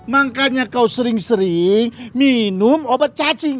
makanya kau sering sering minum obat caci